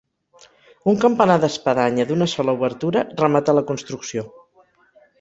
Un campanar d'espadanya d'una sola obertura remata la construcció.